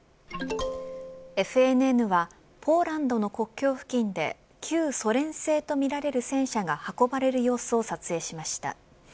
ＦＮＮはポーランドの国境付近で旧ソ連製とみられる戦車が運ばれる様子を撮影しました。